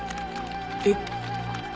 えっ？